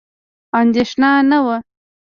اندېښنه نه وه.